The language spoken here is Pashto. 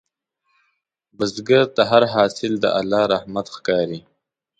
بزګر ته هر حاصل د الله رحمت ښکاري